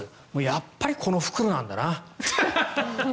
やっぱりこの袋なんだな。